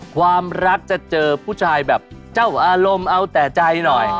ความรักจะเจอผู้ชายแบบเจ้าอารมณ์เอาแต่ใจหน่อย